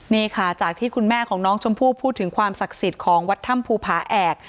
นี่ค่ะจากที่คุณแม่ของน้องชมพู่พูดถึงความศักดิ์สิทธิ์ของวัดถ้ำภูผาแอก